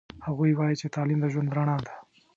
هغوی وایي چې تعلیم د ژوند رڼا ده